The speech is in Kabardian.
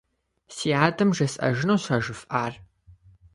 Си адэм жесӏэжынущ а жыфӏар.